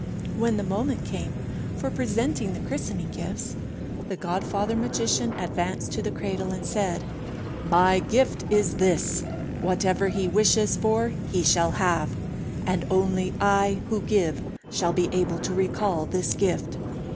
When the moment came for presenting the christening gifts, the godfather magician advanced to the cradle and said, "My gift is this: Whatever he wishes for he shall have. And only I who give shall be able to recall this gift."